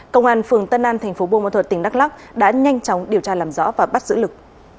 công an phường tân an tp bùa mã thuật tỉnh đắk lắc đã nhanh chóng điều tra làm rõ và bắt giữ lực